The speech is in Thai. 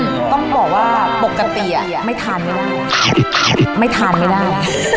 ต้องบอกว่าปกติอ่ะไม่ทานไม่ได้ไม่ทานไม่ได้